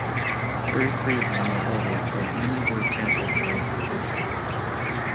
Thirty-three of them were ordered but many were cancelled prior to completion.